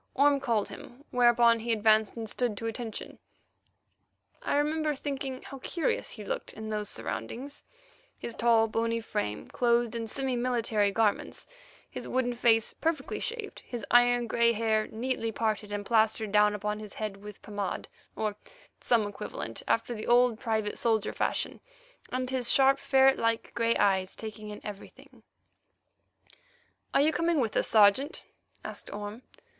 Orme called him, whereupon he advanced and stood to attention. I remember thinking how curious he looked in those surroundings—his tall, bony frame clothed in semi military garments, his wooden face perfectly shaved, his iron grey hair neatly parted and plastered down upon his head with pomade or some equivalent after the old private soldier fashion, and his sharp ferret like grey eyes taking in everything. "Are you coming with us, Sergeant?" asked Orme.